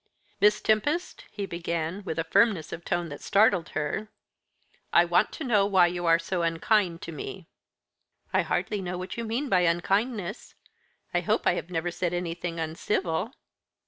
"Miss Tempest," he began, with a firmness of tone that startled her, "I want to know why you are so unkind to me." "I hardly know what you mean by unkindness. I hope I have never said anything uncivil?"